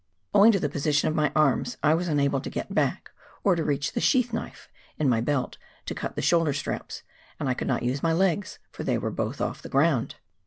Owing to the position of my arms, I was unable to get back, or to reach the sheath knife in my belt to cut the shoulder straps, and I could not use my legs, for they were both ofE the ground.